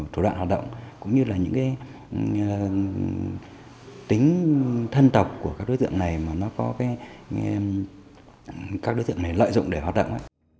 thủ đoạn hoạt động cũng như là những tính thân tộc của các đối tượng này mà nó có các đối tượng này lợi dụng để hoạt động